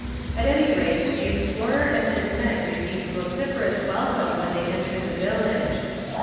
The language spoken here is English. At any rate, the explorer and his men received vociferous welcome when they entered the village.